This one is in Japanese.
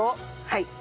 はい。